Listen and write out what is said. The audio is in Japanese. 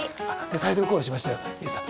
タイトルコールしましょうＹＯＵさん。